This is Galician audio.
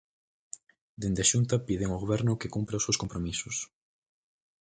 Dende a Xunta piden ao Goberno que cumpra os seus compromisos.